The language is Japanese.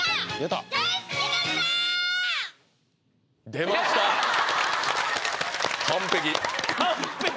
出ました完璧！